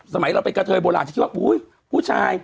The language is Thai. สมัยเราเป็นกระเทยโบราณจะคิดว่าอุ๊ยผู้ชาย